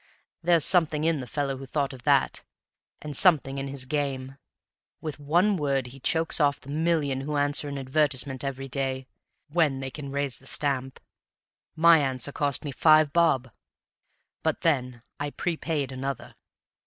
There's something in the fellow who thought of that, and something in his game; with one word he chokes off the million who answer an advertisement every day when they can raise the stamp. My answer cost me five bob; but then I prepaid another."